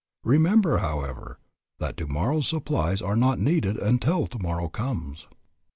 Remember, however, that tomorrow's supplies are not needed until tomorrow comes.